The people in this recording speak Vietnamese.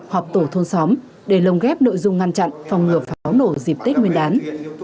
họp tổ thôn xóm để lồng ghép nội dung ngăn chặn phòng ngừa pháo nổ dịp tết nguyên đán